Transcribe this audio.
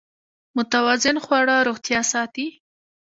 متوازن خواړه روغتیا ساتي.